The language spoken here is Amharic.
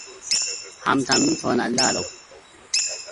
ሃምታምም ትሆናለህ አለው፡፡